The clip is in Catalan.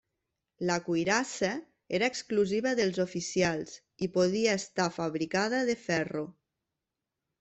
La cuirassa era exclusiva dels oficials i podia estar fabricada de ferro.